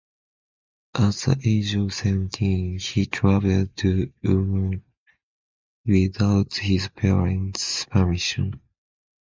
At the age of seventeen, he traveled to Uman without his parents' permission.